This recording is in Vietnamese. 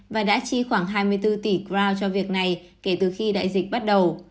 và đã chi khoảng hai mươi bốn tỷ krow cho việc này kể từ khi đại dịch bắt đầu